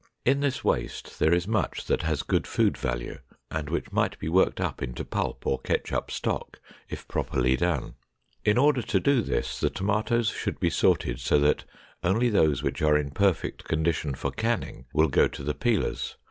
In this waste there is much that has good food value and which might be worked up into pulp or ketchup stock if properly done. In order to do this, the tomatoes should be sorted so that only those which are in perfect condition for canning will go to the peelers.